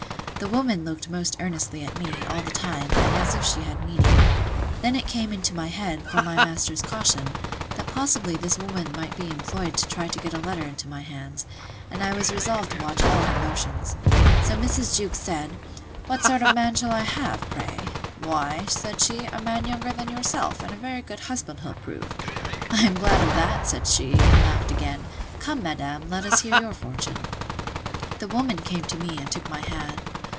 The woman looked most earnestly at me, all the time, and as if she had meaning. Then it came into my head, from my master's caution, that possibly this woman might be employed to try to get a letter into my hands; and I was resolved to watch all her motions. So Mrs. Jewkes said, What sort of a man shall I have, pray?—Why, said she, a man younger than yourself; and a very good husband he'll prove.—I am glad of that, said she; and laughed again. Come, madam, let us hear your fortune. The woman came to me, and took my hand.